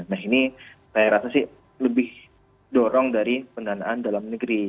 nah ini saya rasa sih lebih dorong dari pendanaan